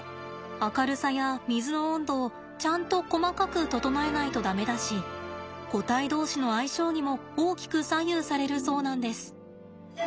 明るさや水の温度をちゃんと細かく整えないと駄目だし個体同士の相性にも大きく左右されるそうなんです。